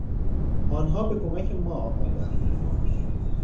آنان به کمک ما آمدند.